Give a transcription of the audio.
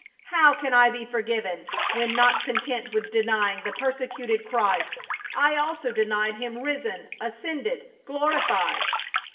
How can I be forgiven when not content with denying the persecuted Christ, I also denied him risen, ascended, glorified